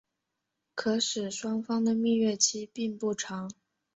可使双方的蜜月期并不长。